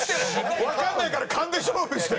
わかんないから勘で勝負して。